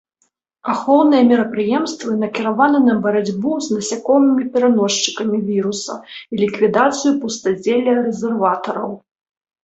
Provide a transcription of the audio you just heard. Ахоўныя мерапрыемствы накіраваны на барацьбу з насякомымі-пераносчыкамі віруса і ліквідацыю пустазелля-рэзерватараў.